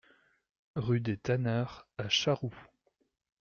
Rue des Tanneurs à Charroux